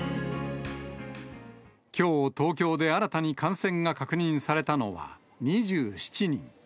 きょう東京で新たに感染が確認されたのは２７人。